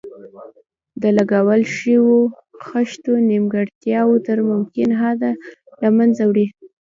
د لګول شویو خښتو نیمګړتیاوې تر ممکن حده له منځه وړي.